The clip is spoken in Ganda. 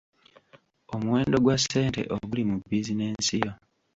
Omuwendo gwa ssente oguli mu bizinensi yo.